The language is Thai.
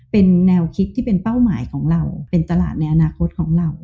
เป็นแนวคิดที่เป็นเป้าหมายของเราเป็นตลาดในอนาคตของเรา